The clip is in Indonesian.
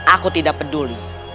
aku tidak peduli